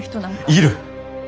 いる。